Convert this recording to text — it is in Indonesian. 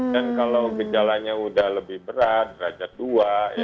dan kalau gejalanya udah lebih berat derajat dua ya